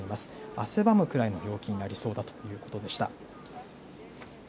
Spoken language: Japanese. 汗ばむくらいの陽気になりそうだということでした。